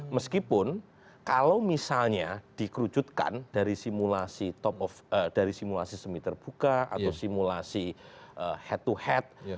meskipun kalau misalnya dikerucutkan dari simulasi semi terbuka atau simulasi head to head